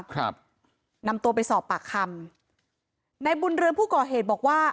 ครับนำตัวไปสอบปากคำในบุญเรืองผู้ก่อเหตุบอกว่า